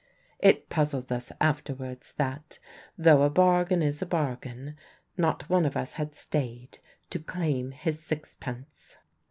It puzzled us afterwards that, though a bargain is a bargain, not one of us had stayed to claim his sixpence.